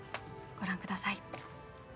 ご覧ください。